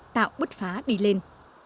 tạo bứt phá đi lên